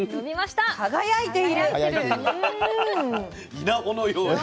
稲穂のように。